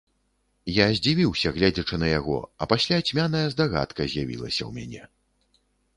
Я здзівіўся, гледзячы на яго, а пасля цьмяная здагадка з'явілася ў мяне.